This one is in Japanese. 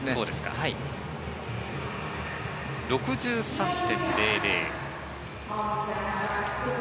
６３．００。